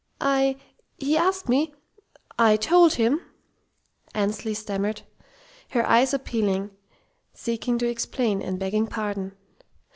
"I he asked me ... I told him," Annesley stammered, her eyes appealing, seeking to explain, and begging pardon.